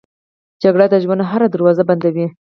جګړه د ژوند هره دروازه بندوي